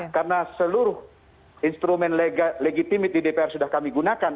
karena seluruh instrumen legitimit di dpr sudah kami gunakan